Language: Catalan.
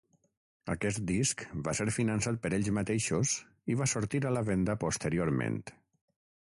Aquest disc va ser finançat per ells mateixos i va sortir a la venda posteriorment.